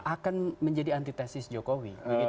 akan menjadi antitesis jokowi